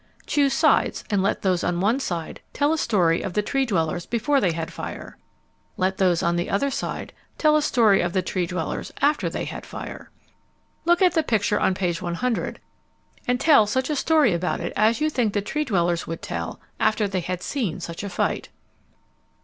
_ _Choose sides and let those on one side tell a story of the Tree dwellers before they had fire. Let those on the other side tell a story of the Tree dwellers after they had fire._ _Look at the picture on page 100 and tell such a story about it as you think the tree dwellers would tell after they had seen such a fight.